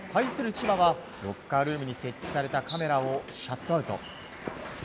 千葉は、ロッカールームに設置されたカメラをシャットアウト。